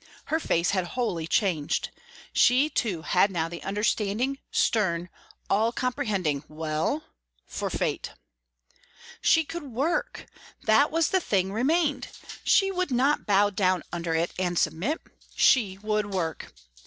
Her face had wholly changed. She too had now the understanding, stern, all comprehending "Well?" for fate. She could work! That was the thing remained. She would not bow down under it and submit. She would work!